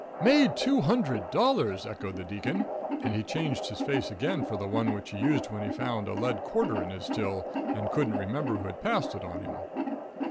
"Made two hundred dollars!" echoed the Deacon, and he changed his face again for the one which he used when he found a lead quarter in his till and couldn't remember who had passed it on him.